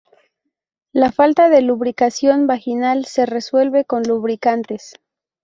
La falta de lubricación vaginal se resuelve con lubricantes.